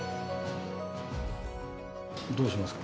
どうしますか？